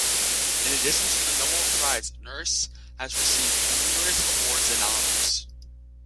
In addition to the Nobel Prize, Nurse has received numerous awards and honours.